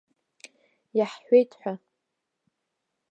Иаҳҳәеит ҳәа.